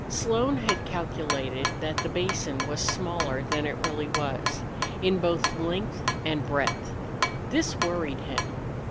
Slone had calculated that the basin was smaller than it really was, in both length and breadth. This worried him.